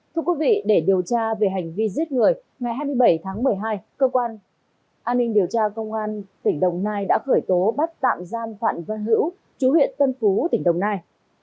thưa quý vị để điều tra về hành vi giết người ngày hai mươi bảy tháng một mươi hai cơ quan an ninh điều tra công an tỉnh đồng nai đã khởi tố bắt tạm giam phạm văn hữu chú huyện tân phú tỉnh đồng nai